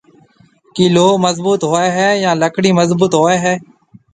ڪِي لوه مضبوط هوئي هيَ يان لڪڙِي مضبوط هوئي هيَ؟